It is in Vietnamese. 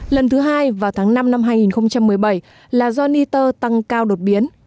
lần thứ hai vào tháng năm năm hai nghìn một mươi bảy là do niter tăng cao đột biến